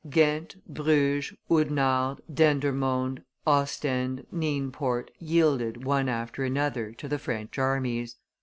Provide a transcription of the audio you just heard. Ghent, Bruges, Oudenarde, Dendermonde, Ostend, Nienport, yielded, one after another, to the French armies.